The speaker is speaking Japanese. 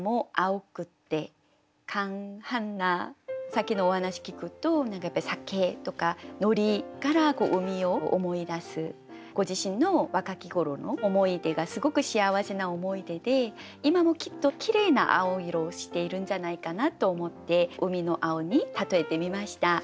さっきのお話聞くと何かやっぱり鮭とか海苔から海を思い出すご自身の若き頃の思い出がすごく幸せな思い出で今もきっときれいな青色をしているんじゃないかなと思って海の青に例えてみました。